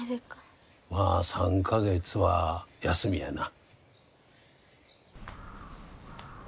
まあ３か月は休みやな。